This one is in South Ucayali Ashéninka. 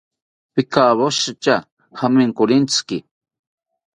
Pikawoshitya jamenkorentziki